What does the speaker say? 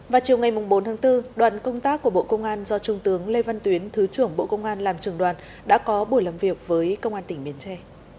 và chiều ngày bốn tháng bốn đoàn công tác của bộ công an do trung tướng lê văn tuyến thứ trưởng bộ công an làm trường đoàn đã có buổi làm việc với công an tỉnh bến tre